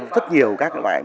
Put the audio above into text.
rất nhiều các loại